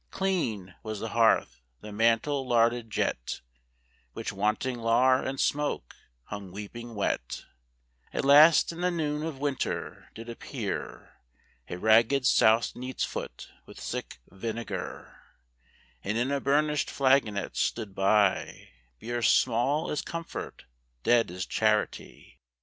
Clean was the hearth, the mantle larded jet, Which, wanting Lar and smoke, hung weeping wet; At last i' th' noon of winter, did appear A ragg'd soused neats foot, with sick vinegar; And in a burnish'd flagonet, stood by Beer small as comfort, dead as charity.